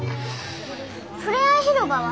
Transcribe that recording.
触れ合い広場は？